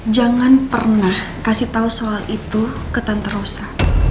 jangan pernah kasih tahu soal itu ke tante rosa